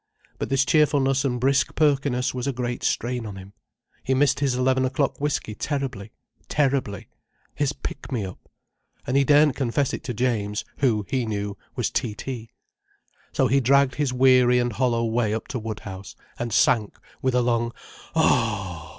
But this cheerfulness and brisk perkiness was a great strain on him. He missed his eleven o'clock whiskey terribly—terribly—his pick me up! And he daren't confess it to James, who, he knew, was T T. So he dragged his weary and hollow way up to Woodhouse, and sank with a long "Oh!"